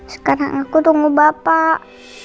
sekarang aku tunggu bapak